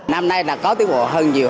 năm nay là có tiến bộ hơn nhiều